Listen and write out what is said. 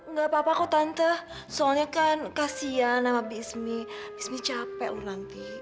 nggak apa apa kok tante soalnya kan kasihan sama bik ismi bik ismi capek loh nanti